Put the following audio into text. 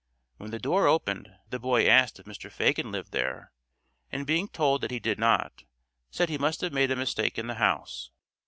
When the door opened the boy asked if Mr. Fagin lived there, and being told that he did not, said he must have made a mistake in the house.